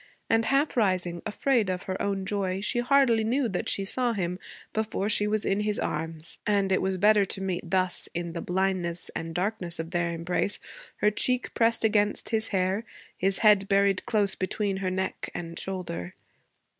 And, half rising, afraid of her own joy, she hardly knew that she saw him before she was in his arms; and it was better to meet thus, in the blindness and darkness of their embrace, her cheek pressed against his hair, his head buried close between her neck and shoulder.